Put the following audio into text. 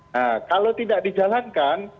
nah kalau tidak dijalankan